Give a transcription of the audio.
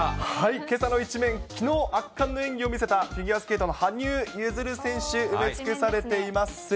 けさの１面、きのう、圧巻の演技を見せたフィギュアスケートの羽生結弦選手、埋め尽くされています。